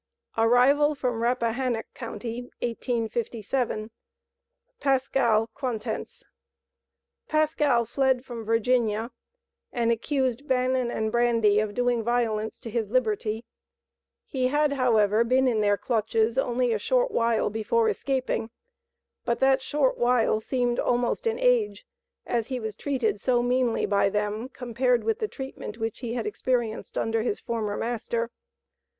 ARRIVAL FROM RAPPAHANNOCK COUNTY, 1857. PASCAL QUANTENCE. Pascal fled from Virginia, and accused Bannon and Brady of doing violence to his liberty. He had, however, been in their clutches only a short while before escaping, but that short while seemed almost an age, as he was treated so meanly by them compared with the treatment which he had experienced under his former master.